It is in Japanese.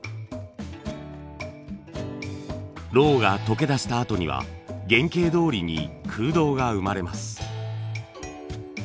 ロウが溶け出したあとには原型どおりに空洞が生まれます。